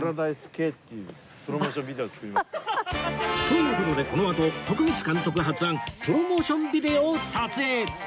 という事でこのあと徳光監督発案プロモーションビデオを撮影